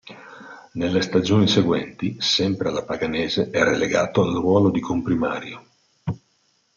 Nelle stagioni seguenti sempre alla Paganese è relegato al ruolo di comprimario.